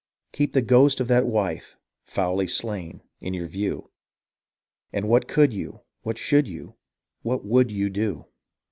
Keep the ghost of that wife, foully slain, in your view And what could you — what should you, what would you do